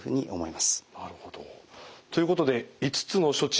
なるほど。ということで５つの処置